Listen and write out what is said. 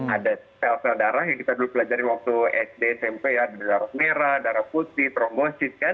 ada sel sel darah yang kita dulu pelajari waktu sd smp ya ada darah merah darah putih trombosis kan